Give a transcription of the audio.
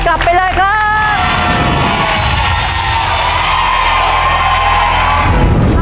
กลับไปเลยครับ